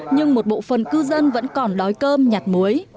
nhưng một bộ phần cư dân vẫn còn đói cơm nhặt muối